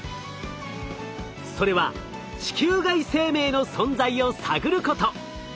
それは地球外生命の存在を探ること。